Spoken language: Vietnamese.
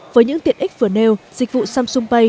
với những tiện ích vừa nêu dịch vụ samsung pay